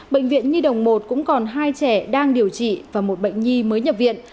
bệnh viện nhi đồng một cũng còn hai trẻ đang điều trị và một bệnh nhi mới nhập viện